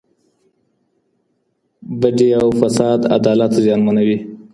بډې او فساد عدالت زیانمنوي.